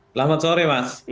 selamat sore mas